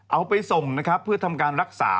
เอาไปส่งนะครับเพื่อทำการรักษา